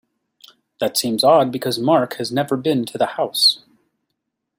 That seems odd because Mark has never been to the house.